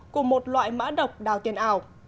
của một loại mã độc đào tiền ảo